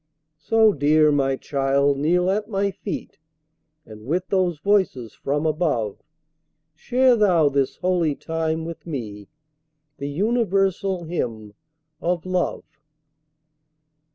So, dear my child, kneel at my feet, And with those voices from above Share thou this holy time with me, The universal hymn of love.